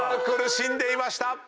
苦しんでいました。